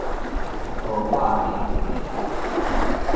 波霸奶茶